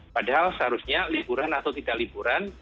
padahal seharusnya liburan atau tidak liburan